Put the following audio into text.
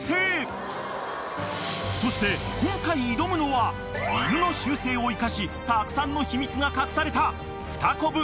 ［そして今回挑むのは犬の習性を生かしたくさんの秘密が隠された］